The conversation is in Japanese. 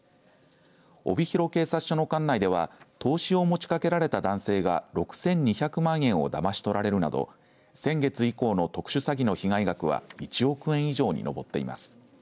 帯広警察署の管内では投資を持ちかけられた男性が６２００万円をだまし取られるなど先月以降の特殊詐欺の被害額は１億円以上に上っています。